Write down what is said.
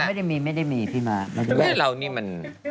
ไม่ได้มีไม่ได้มีพี่มาร์ทไม่ได้มี